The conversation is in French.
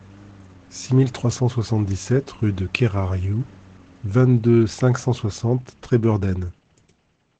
six mille trois cent soixante-dix-sept rue de Kerariou, vingt-deux, cinq cent soixante, Trébeurden